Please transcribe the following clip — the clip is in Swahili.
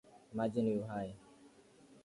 Maji ni uhai